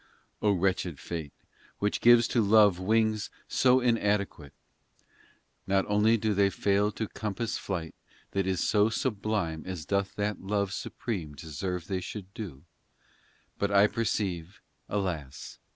VII O wretched fate Which gives to love wings so inadequate ! Not only do they fail to compass Flight that is so sublime As doth that love supreme deserve they should do, VIII But I perceive, alas